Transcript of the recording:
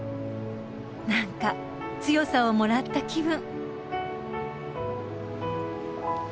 なんか強さをもらった気分。